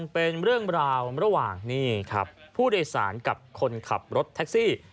เป็นเรื่องราวระหว่างนี่ครับผู้โดยสารกับคนขับรถแท็กซี่